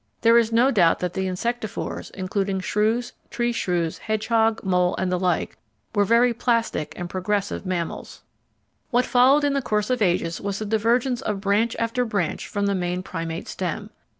There is no doubt that the Insectivores (including shrews, tree shrews, hedgehog, mole, and the like) were very plastic and progressive mammals. What followed in the course of ages was the divergence of branch after branch from the main Primate stem.